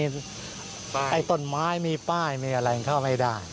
อันนี้ผู้หญิงบอกว่าช่วยด้วยหนูไม่ได้เป็นอะไรกันเขาจะปั้มหนูอะไรอย่างนี้